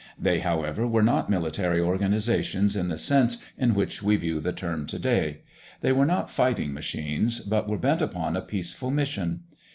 They, however, were not military organizations in the sense in which we view the term to day; they were not fighting machines, but were bent upon a peaceful mission.